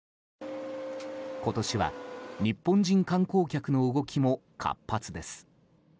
今年は、日本人観光客の動きも活発です。